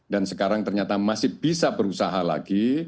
dan sekarang ternyata masih bisa berusaha lagi